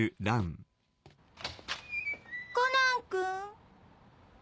コナン君？